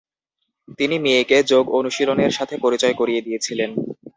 তিনি মেয়েকে যোগ অনুশীলনের সাথে পরিচয় করিয়ে দিয়েছিলেন।